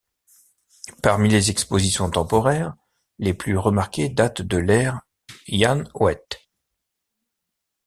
Parmi les expositions temporaires, les plus remarquées datent de l’ère Jan Hoet.